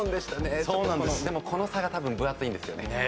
でもこの差が多分分厚いんですよね。